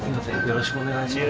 よろしくお願いします。